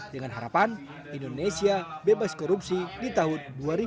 dengan harapan indonesia bebas korupsi di tahun dua ribu dua puluh